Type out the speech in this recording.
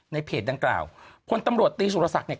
ในเพจดังกล่าวพลตำรวจตีสุรศักดิ์เนี่ย